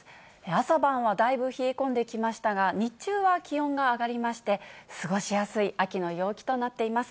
朝晩はだいぶ冷え込んできましたが、日中は気温が上がりまして、過ごしやすい秋の陽気となっています。